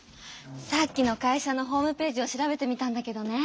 さっきの会社のホームページを調べてみたんだけどね。